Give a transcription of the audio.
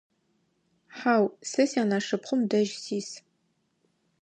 Хьау, сэ сянэшыпхъум дэжь сис.